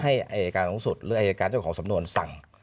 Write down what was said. อายการสูงสุดหรืออายการเจ้าของสำนวนสั่ง